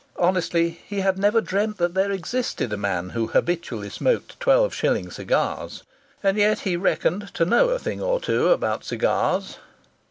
Honestly, he had never dreamt that there existed a man who habitually smoked twelve shilling cigars and yet he reckoned to know a thing or two about cigars!